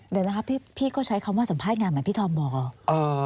เดี๋ยวนะคะพี่ก็ใช้คำว่าสัมภาษณ์งานเหมือนพี่ธอมบอก